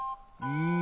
うん。